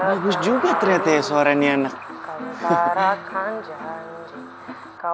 bagus juga ternyata ya suaranya anak